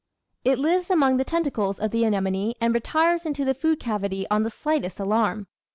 It lives among the tentacles of the anemone and retires into the food cavity on the slightest alarm.